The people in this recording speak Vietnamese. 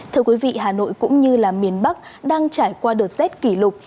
thưa quý vị hà nội cũng như miền bắc đang trải qua đợt xét kỷ lục